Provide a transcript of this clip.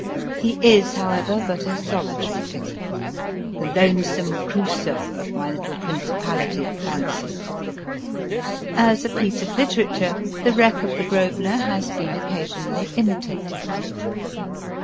He is, how ever, but a solitary figure, the lonesome Crusoe of my little principality of fancy. As a piece of literature, * The Wreck of the "Grosvenor" has been occasionally imitated.